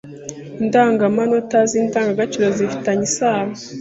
Indangamanota zi ndangagaciro zifi tanye isano